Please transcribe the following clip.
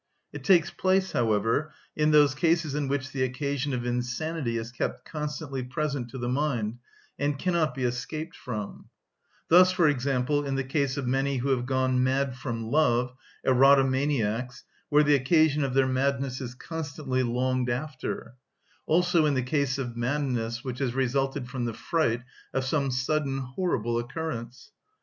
It takes place, however, in those cases in which the occasion of insanity is kept constantly present to the mind and cannot be escaped from; thus, for example, in the case of many who have gone mad from love, erotomaniacs, where the occasion of their madness is constantly longed after; also in the case of madness which has resulted from the fright of some sudden horrible occurrence.